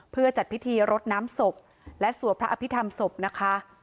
เพื่อจัดพิธีรดน้ำศพและสวดพระอภิษฐรรมศพนะคะ